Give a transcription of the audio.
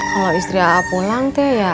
kalau istri a'at pulang teh ya